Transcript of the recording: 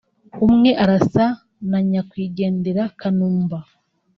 umwe arasa na nyakwigendera Kanumba